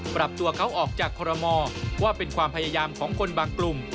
ปรับตัวเขาออกจากคอรมอว่าเป็นความพยายามของคนบางกลุ่ม